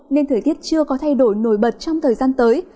nên thời tiết chưa có thay đổi nổi bật trong thời gian tới